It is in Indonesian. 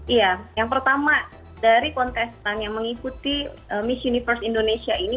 iya yang pertama dari kontestan yang mengikuti miss universe indonesia ini